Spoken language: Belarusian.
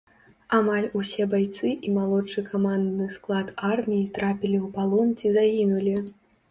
Амаль усе байцы і малодшы камандны склад арміі трапілі ў палон ці загінулі.